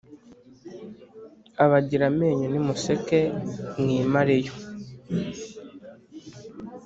Abagira amenyo ni museke mwi mareyo